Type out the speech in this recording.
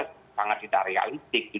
sangat tidak realistik